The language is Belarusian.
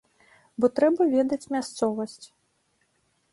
Бо трэба ведаць мясцовасць.